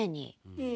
うん。